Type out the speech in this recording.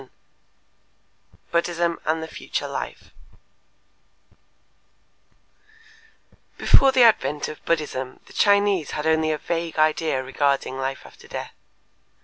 VII BUDDHISM AND THE FUTURE LIFE Before the advent of Buddhism the Chinese had only a vague idea regarding life after death.